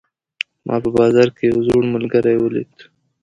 ما په بازار کې یو زوړ ملګری ولید